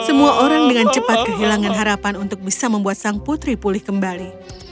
semua orang dengan cepat kehilangan harapan untuk bisa membuat sang putri pulih kembali